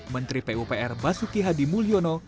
menteri pupr basuki hadi mulyono